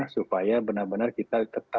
supaya benar benar kita bisa menemukan